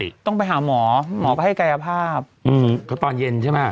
พี่หนูก็ต้องไปหาหมอหมอภัยกายภาพเขาตอนเย็นใช่มั้ย